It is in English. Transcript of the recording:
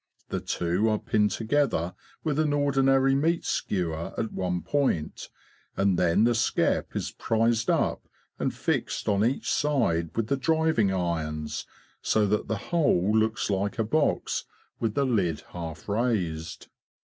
The two are pinned together with an ordinary meat skewer at one point, and then the skep is prised up and fixed on each side with the driving irons, so that the whole looks like a box with the lid half raised.